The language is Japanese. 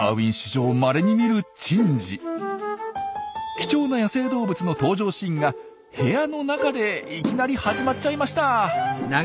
貴重な野生動物の登場シーンが部屋の中でいきなり始まっちゃいました。